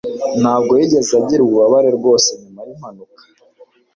ntabwo yigeze agira ububabare rwose nyuma yimpanuka